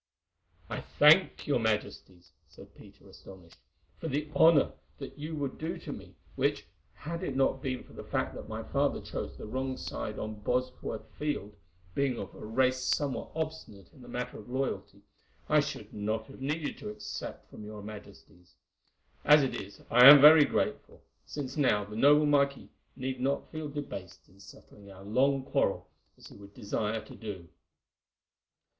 "I thank your Majesties," said Peter, astonished, "for the honour that you would do to me, which, had it not been for the fact that my father chose the wrong side on Bosworth Field, being of a race somewhat obstinate in the matter of loyalty, I should not have needed to accept from your Majesties. As it is I am very grateful, since now the noble marquis need not feel debased in settling our long quarrel as he would desire to do."